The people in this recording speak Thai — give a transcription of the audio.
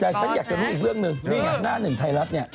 แต่ฉันอยากจะรู้อีกเรื่องหนึ่งนี่ไงหน้าหนึ่งไทยรัฐเนี่ย